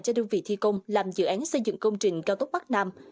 cho đơn vị thi công làm dự án xây dựng công trình cao tốc bắc nam